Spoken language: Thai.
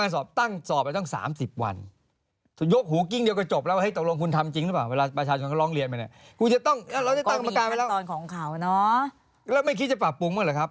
แล้วไม่คิดจะปรับปรุงด้วยเหรอครับ